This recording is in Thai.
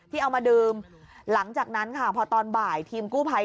ที่เอามาดื่มหลังจากนั้นค่ะ